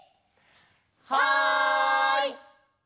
はい！